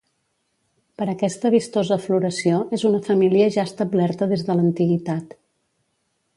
Per aquesta vistosa floració és una família ja establerta des de l'antiguitat.